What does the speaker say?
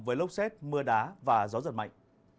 với lốc xét mưa đá và gió giật mạnh